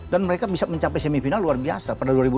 dan mereka bisa mencapai semifinal luar biasa pada dua ribu dua